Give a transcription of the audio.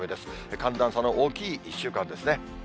寒暖差の大きい１週間ですね。